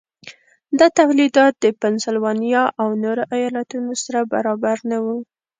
دا تولیدات د پنسلوانیا او نورو ایالتونو سره برابر نه وو.